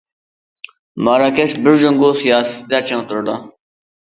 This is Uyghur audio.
ماراكەش« بىر جۇڭگو» سىياسىتىدە چىڭ تۇرىدۇ.